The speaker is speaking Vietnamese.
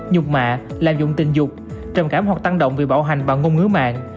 nhục mạ làm dụng tình dục trầm cảm hoặc tăng động vì bạo hành bằng ngôn ngữ mạng